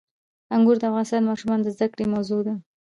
انګور د افغان ماشومانو د زده کړې موضوع ده.